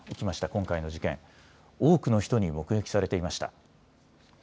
今回の事件、多くの人に目撃されていました。